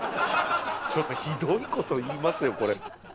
ちょっとひどいこと言いますよこれ。